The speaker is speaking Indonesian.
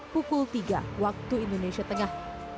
pukul tiga waktu indonesia tengah